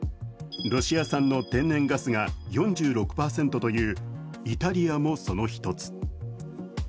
ロシア産の天然ガスが４６％というイタリアもその一つ。